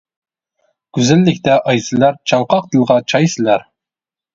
گۈزەللىكتە ئاي سىلەر، چاڭقاق دىلغا چاي سىلەر.